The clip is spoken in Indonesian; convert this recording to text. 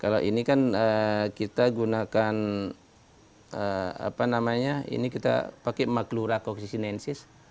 kalau ini kan kita gunakan apa namanya ini kita pakai maklura coksisinensis